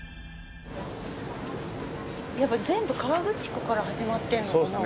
やっぱり全部河口湖から始まってるんだね。